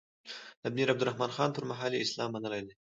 د امیر عبدالرحمان خان پر مهال یې اسلام منلی دی.